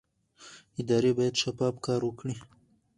ادارې باید شفاف کار وکړي